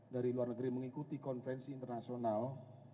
dari luar negeri mengikuti konvensi internasional